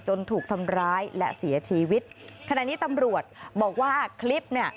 ถูกทำร้ายและเสียชีวิตขณะนี้ตำรวจบอกว่าคลิปเนี่ย